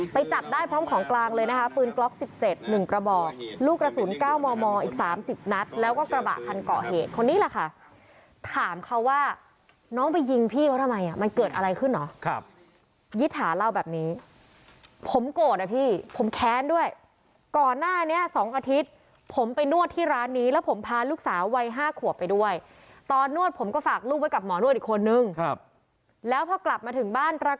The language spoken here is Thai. ไปจับได้พร้อมของกลางเลยนะคะปืนกล๊อกสิบเจ็ดหนึ่งกระบอล